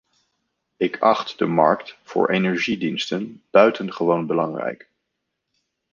Ik acht de markt voor energiediensten buitengewoon belangrijk.